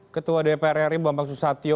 ketua dpr ri bambang susatyo